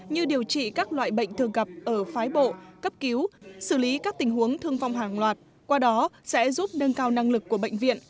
như điều trị các loại bệnh thường gặp ở phái bộ cấp cứu xử lý các tình huống thương vong hàng loạt qua đó sẽ giúp nâng cao năng lực của bệnh viện